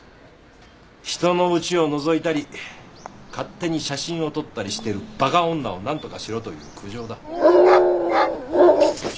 人のうちをのぞいたり勝手に写真を撮ったりしてるバカ女を何とかしろという苦情だ。・びっくりした。